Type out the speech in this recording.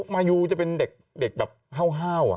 มายูจะเป็นเด็กแบบห้าว